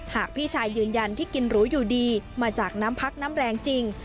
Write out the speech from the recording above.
หากพี่ชายยืนยันที่กินหรูอยู่ดีมาจากน้ำพักน้ำแรงจริง